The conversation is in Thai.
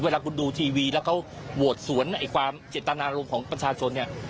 เวลาคุณดูทีวีแล้วเขาโหวตสวนไอ้ความเจตนารมณ์ของประชาชนเนี่ย